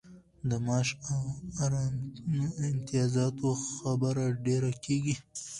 د معاش او امتیازاتو خبره ډېره کیږي.